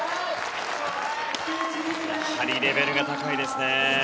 やはりレベルが高いですね。